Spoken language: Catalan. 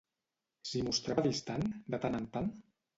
S'hi mostrava distant, de tant en tant?